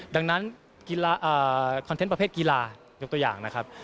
ดังนั้นกีฬาคอนเทนต์ประเภทกีฬายกตัวอย่างนะครับ